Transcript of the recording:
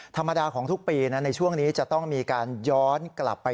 ธรรมดาของทุกปีในช่วงนี้จะต้องมีการย้อนกลับไป